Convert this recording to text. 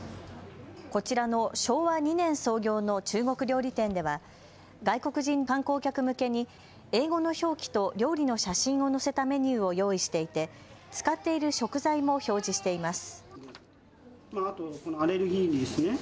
こちらの昭和２年創業の中国料理店では外国人観光客向けに英語の表記と料理の写真を載せたメニューを用意していて使っている食材も表示しています。